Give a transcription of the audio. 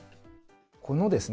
このですね